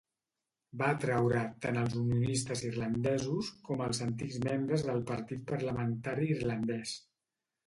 Va atraure tant als unionistes irlandesos com als antics membres del Partit Parlamentari Irlandès.